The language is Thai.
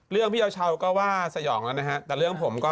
เรื่องพี่เยาวชาวก็ว่าสยองแล้วนะฮะแต่เรื่องผมก็